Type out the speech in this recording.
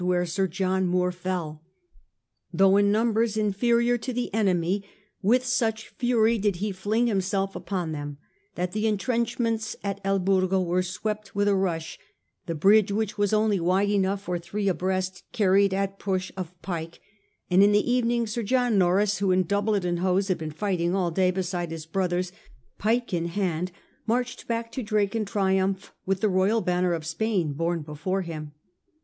where Sir John Moore f elL Though in numbers inferior to the enemy, with such fury did he fling himself upon them that the intrenchments at El Burgo were swept with a rush ; the bridge, which was only wide enough for three abreast, carried at push of pike; and in the evening Sir John Norreys, who, in doublet and hose, had been fighting all day beside his brothers pike in hand, marched back to Drake in triumph with the royal banner of Spain borne before him.